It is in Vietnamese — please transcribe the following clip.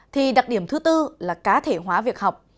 thì đặc điểm thứ tư là cá thể hóa việc học